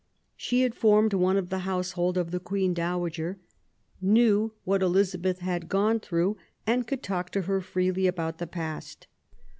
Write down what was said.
She had formed one of the household of the Queen Powager, knew what Elizabeth had gone through, and could talk to her freely about the past.